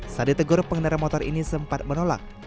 saat ditegur pengendara motor ini sempat menolak